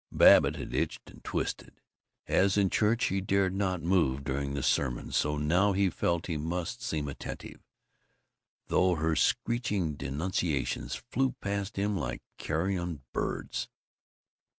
Babbitt had itched and twisted. As in church he dared not move during the sermon so now he felt that he must seem attentive, though her screeching denunciations flew past him like carrion birds.